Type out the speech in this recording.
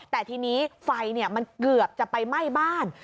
แต่ทีนี้ไฟมันเกือบจะไปไหม้บ้าน